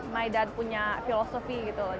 maidan punya filosofi gitu loh